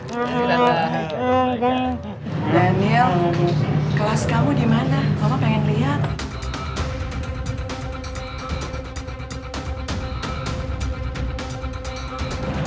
daniel kelas kamu dimana mama pengen lihat